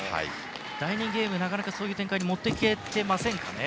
第２ゲームはなかなかそういう展開に持っていけていませんかね。